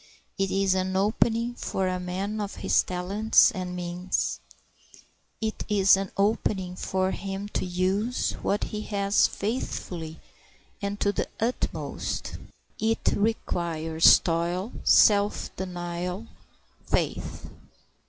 It is an opening for a man of his talents and means. It is an opening for him to use what he has faithfully and to the utmost. It requires toil, self denial, faith.